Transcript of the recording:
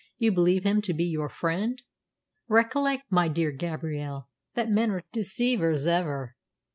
"You believe him to be your friend? Recollect, my dear Gabrielle, that men are deceivers ever."